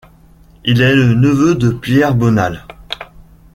Il est le neveu de Pierre de Bonald.